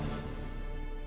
aku rasa itu udah cukup